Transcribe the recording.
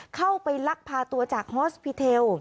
เข้าไปลักพาตัวจากฮอสพิเทล